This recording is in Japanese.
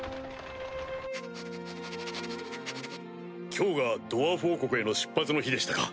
今日がドワーフ王国への出発の日でしたか。